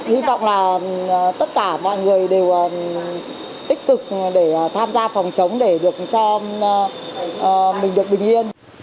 hy vọng là tất cả mọi người đều tích cực để tham gia phòng chống để được cho mình được bình yên